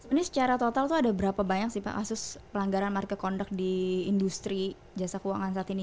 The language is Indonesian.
ini secara total tuh ada berapa banyak sih pak kasus pelanggaran market conduct di industri jasa keuangan saat ini